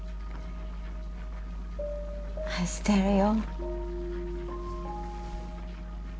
愛してるよ。